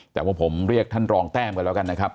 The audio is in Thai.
แต่ว่าผมเรียกท่านรองแต้มกันแล้วกันนะครับ